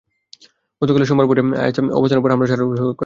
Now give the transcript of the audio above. গতকাল সোমবার ভোরে শহরে আইএস অবস্থানের ওপর হামলা চালানো শুরু হয়েছে।